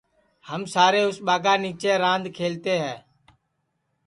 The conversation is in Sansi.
ہم سارے اُس ٻاگا کے نیچے راند کھلتے ہے